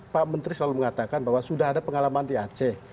pak menteri selalu mengatakan bahwa sudah ada pengalaman di aceh